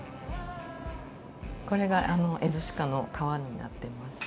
これがエゾシカの革になってます。